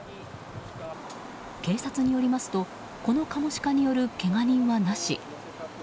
警察によりますとこのカモシカによるけが人はなし。